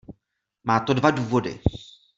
Má to dva důvody.